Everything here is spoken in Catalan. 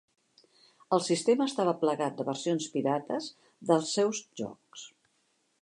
El sistema estava plagat de versions pirates dels seus jocs.